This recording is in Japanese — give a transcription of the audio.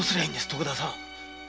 徳田さん。